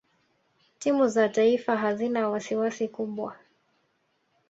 timu za taifa hazina wasiwasi kubwa